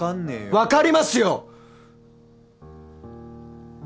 わかりますよっ！